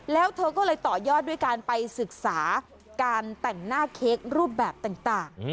แล้วเธอก็เลยต่อยอดด้วยการไปศึกษาการแต่งหน้าเค้กรูปแบบต่าง